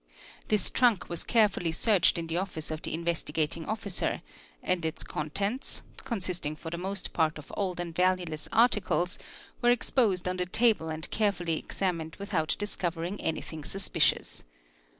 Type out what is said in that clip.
This trunk was carefully searched in the office of the In aS MT PASE eters) Sea a ce yestigating Officer and its contents, consisting for the most part of old and valueless articles, were exposed on the table and carefully examined without discovering anything suspicious.